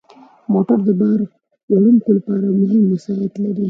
موټر د بار وړونکو لپاره مهم وسایط لري.